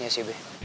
iya sih be